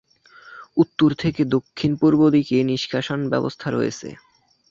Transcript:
উত্তর থেকে দক্ষিণ-পূর্ব দিকে নিষ্কাশন ব্যবস্থা রয়েছে।